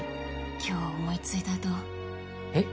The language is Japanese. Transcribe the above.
今日思いついたとえっ？